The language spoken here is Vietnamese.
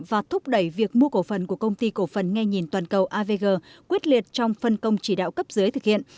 và thúc đẩy việc mua cổ phần của công ty cổ phần nghe nhìn toàn cầu avg quyết liệt trong phân công chỉ đạo cấp dưới thực hiện